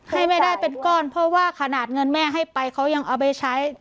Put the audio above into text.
ให้แม่ได้เป็นก้อนเพราะว่าขนาดเงินแม่ให้ไปเขายังเอาไปใช้